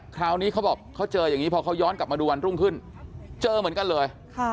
เขาบอกเขาเจออย่างนี้พอเขาย้อนกลับมาดูวันรุ่งขึ้นเจอเหมือนกันเลย